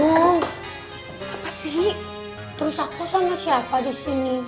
oh apa sih terus aku sama siapa di sini